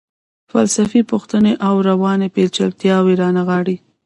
فلسفي پوښتنې او رواني پیچلتیاوې رانغاړي.